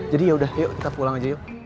jadi yaudah yuk kita pulang aja yuk